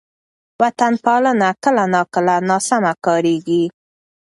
وطن پالنه کله ناکله ناسمه کارېږي.